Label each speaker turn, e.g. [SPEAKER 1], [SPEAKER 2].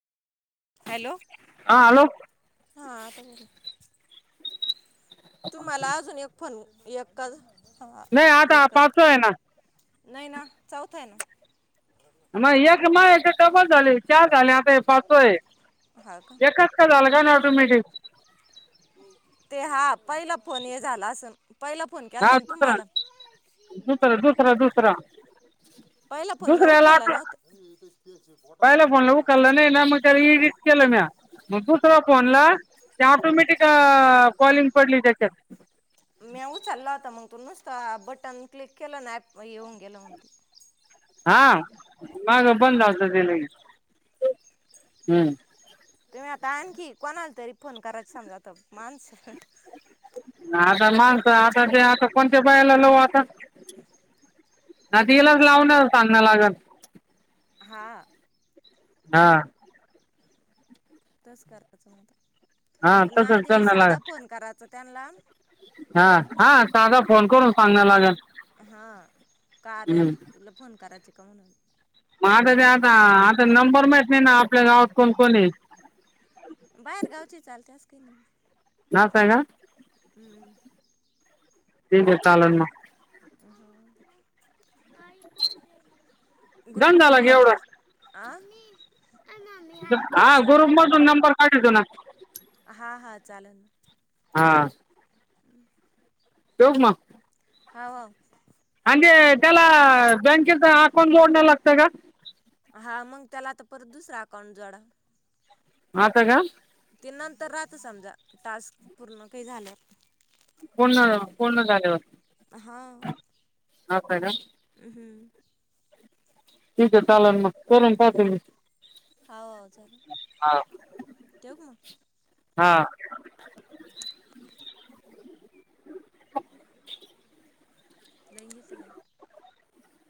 [SPEAKER 1] Hello
[SPEAKER 2] हा hello
[SPEAKER 1] हा आता बोला तुम्हाला अजून एक फोन एक का ह
[SPEAKER 2] नाही आता
[SPEAKER 1] एकच
[SPEAKER 2] पाचवा आहे ना
[SPEAKER 1] नाही ना चौथं आहे ना
[SPEAKER 2] मग एक माय कबर झाली चार झाले आता हे पाच आहे एच का झालं का नाही ऑटोमॅटीिक
[SPEAKER 1] ते हा पहिला फोन ये झाला असन
[SPEAKER 2] हा दुसर दुसरं दुसरं दुसरं
[SPEAKER 1] पहिला फोन मी उखलला नवत
[SPEAKER 2] पहिल्या फोनला उखलला नाही म मग त्या रिच केलं ना मग दुसरा फोनला ते ऑटोमॅटिक कॉलिंग पडली त्याच्यात
[SPEAKER 1] मी उचला होता मग तू नुसत बटन क्लिक केलं ना ॲप येऊन गेलं होणती
[SPEAKER 2] हा मग बंद असत दि हम्म
[SPEAKER 1] तर आणखी कोणा आला तरी फोन करायचं समजा तर माणसं
[SPEAKER 2] आता माणस आता ते आता कोणत्या बायाला ल आता ना तलाच लावून चांगना लागल
[SPEAKER 1] हा
[SPEAKER 2] हा
[SPEAKER 1] तच करायचं
[SPEAKER 2] हा
[SPEAKER 1] माझ पण मा
[SPEAKER 2] तसंच
[SPEAKER 1] आधी
[SPEAKER 2] करणं लागल
[SPEAKER 1] साधा फोन करायचा त्यांना
[SPEAKER 2] हा हा साधा फोन करून सांगाय लागेल
[SPEAKER 1] हा का रे तुला फोन करायचे का म्हणून
[SPEAKER 2] म आता ते आता आता नंबर माहत नाही ना आपल्या गावात कोण कोणीआहेत
[SPEAKER 1] बाहेरगावचेचाल चास कीन
[SPEAKER 2] ना काय ना
[SPEAKER 1] हम्म
[SPEAKER 2] ते ज चालना
[SPEAKER 1] हो
[SPEAKER 2] दंदालागे एवढं
[SPEAKER 1] आ म
[SPEAKER 2] हा गुरुपमधून नंबर काढ तो ना
[SPEAKER 1] चालून
[SPEAKER 2] हां
[SPEAKER 1] अ [unintelligible]
[SPEAKER 2] [unintelligible]
[SPEAKER 1] हावा,
[SPEAKER 2] म्हण त्याला बँकेचा अकाउंट जोडण्या लागतं का?
[SPEAKER 1] हा मग त्याला आता परत दुसरा अकाउंट जोडा,
[SPEAKER 2] आत्ता का?
[SPEAKER 1] ते नंतर राहत समजा टास्क पूर्ण काही झाल्यात.
[SPEAKER 2] पूर्ण पूर्ण झाले होते.
[SPEAKER 1] हा हम्
[SPEAKER 2] आहे का
[SPEAKER 1] हम्म,
[SPEAKER 2] ठीक आहे चाल मग, करून पाहतो मी
[SPEAKER 1] हवव चालू
[SPEAKER 2] हा
[SPEAKER 1] ठेव का मग,
[SPEAKER 2] हां,
[SPEAKER 1] लान घेतया आहे.